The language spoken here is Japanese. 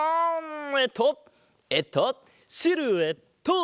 えっとえっとシルエット！